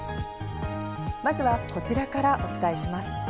まずは、こちらからお伝えします。